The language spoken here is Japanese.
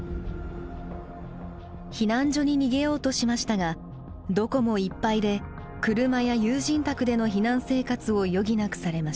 避難所に逃げようとしましたがどこもいっぱいで車や友人宅での避難生活を余儀なくされました。